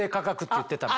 言ってた！